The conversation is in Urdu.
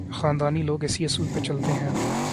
خاندانی لوگ اسی اصول پہ چلتے ہیں۔